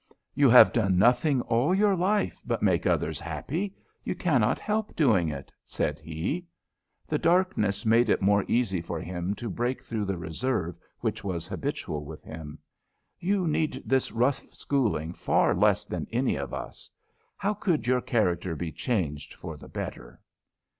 "You have done nothing all your life but made others happy. You cannot help doing it," said he. The darkness made it more easy for him to break through the reserve which was habitual with him. "You need this rough schooling far less than any of us. How could your character be changed for the better?"